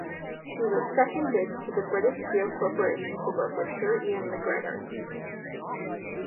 He was seconded to the British Steel Corporation to work with Sir Ian MacGregor.